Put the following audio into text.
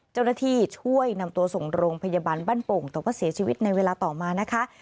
เจ้าหน้าที่ช่วยนำตัวส่งโรงพยาบาลบ้านโป่งแต่ว่าเสียชีวิตในเวลาต่อมานะคะ